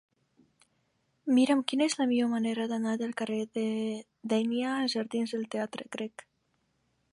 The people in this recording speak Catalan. Mira'm quina és la millor manera d'anar del carrer de Dénia als jardins del Teatre Grec.